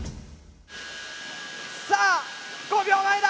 さあ５秒前だ。